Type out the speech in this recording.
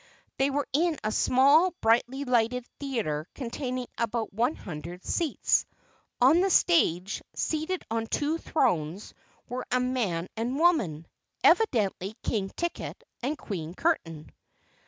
They were in a small, brightly lighted theater containing about one hundred seats. On the stage, seated on two thrones, were a man and a woman evidently King Ticket and Queen Curtain.